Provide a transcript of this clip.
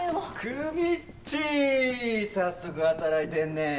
久実っち早速働いてんね。